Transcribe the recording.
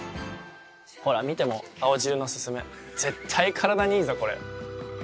ほら見て「青汁のススメ」絶対体にいいぞこれ。